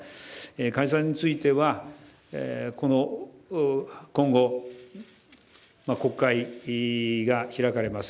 解散については今後、国会が開かれます。